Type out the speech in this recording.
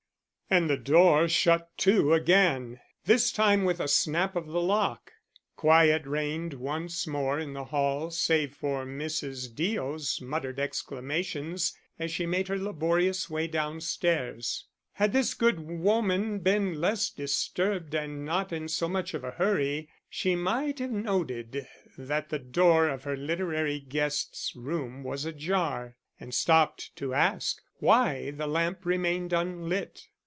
And the door shut to again, this time with a snap of the lock. Quiet reigned once more in the hall save for Mrs. Deo's muttered exclamations as she made her laborious way down stairs. Had this good woman been less disturbed and not in so much of a hurry, she might have noted that the door of her literary guest's room was ajar, and stopped to ask why the lamp remained unlit.